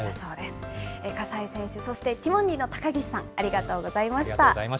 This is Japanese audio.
葛西選手、そしてディモンディの高岸さん、ありがとうございました。